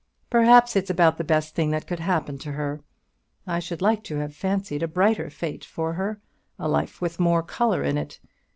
Perhaps it's about the best thing that could happen to her. I should like to have fancied a brighter fate for her, a life with more colour in it.